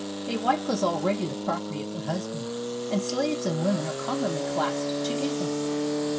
A wife was already the property of her husband, and slaves and women are commonly classed together.